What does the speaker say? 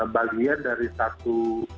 bagian dari satu